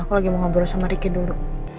aku lagi mau ngobrol sama ricky dulu